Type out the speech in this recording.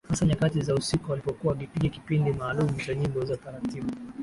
Hasa nyakati za usiku alipokuwa akipiga kipindi maalumu cha nyimbo za taratibu